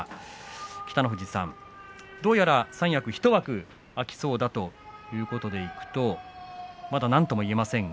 北の富士さん、どうやら三役は１枠空きそうだということでいくとまだなんとも言えませんが。